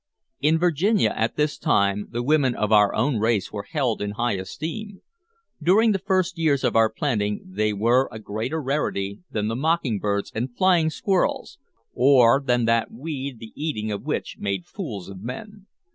In Virginia, at this time, the women of our own race were held in high esteem. During the first years of our planting they were a greater rarity than the mocking birds and flying squirrels, or than that weed the eating of which made fools of men.